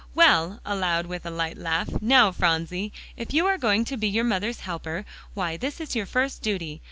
"Well," aloud, with a light laugh, "now, Phronsie, if you are going to be your mother's helper, why, this is your first duty.